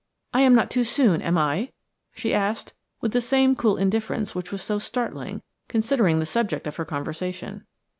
I am not too soon, am I?" she asked, with that same cool indifference which was so startling, considering the subject of her conversation.